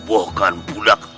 kau tidak bisa menang